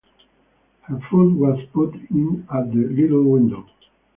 Her food was put in at the little window.